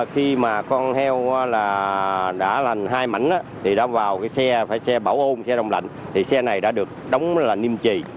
khi mà con heo đã lành hai mảnh thì đã vào cái xe xe bảo ôn xe đồng lạnh thì xe này đã được đóng là niêm trì